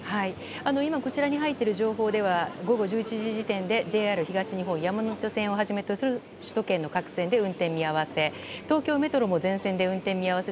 今こちらに入っている情報では午後１１時時点でＪＲ東日本山手線をはじめとする首都圏の各線で運転見合わせ。